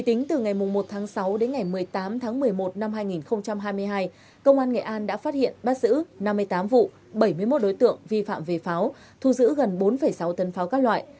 tính từ ngày một tháng sáu đến ngày một mươi tám tháng một mươi một năm hai nghìn hai mươi hai công an nghệ an đã phát hiện bắt giữ năm mươi tám vụ bảy mươi một đối tượng vi phạm về pháo thu giữ gần bốn sáu tấn pháo các loại